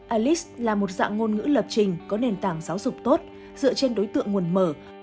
alice là một dạng ngôn ngữ lập trình có nền tảng giáo dục tốt dựa trên đối tượng nguồn mở